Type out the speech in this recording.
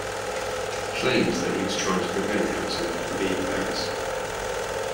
He claimed that he was trying to prevent Helton from being embarrassed.